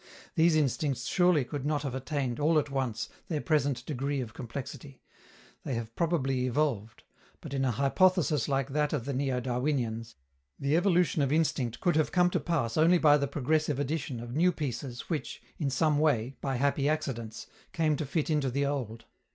These instincts surely could not have attained, all at once, their present degree of complexity; they have probably evolved; but, in a hypothesis like that of the neo Darwinians, the evolution of instinct could have come to pass only by the progressive addition of new pieces which, in some way, by happy accidents, came to fit into the old.